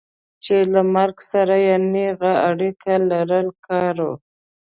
چې له مرګ سره یې نېغه اړیکه لرل کار و.